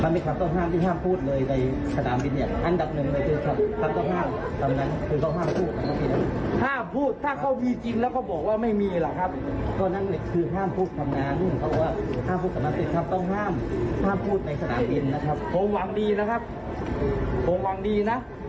อย่าพูดในสถานบินนะครับผมหวังดีนะครับผมหวังดีนะ